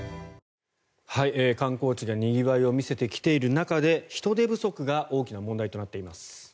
観光地がにぎわいを見せてきている中で人手不足が大きな問題となっています。